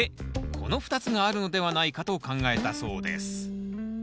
この２つがあるのではないかと考えたそうです。